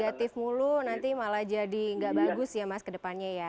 negatif mulu nanti malah jadi nggak bagus ya mas ke depannya ya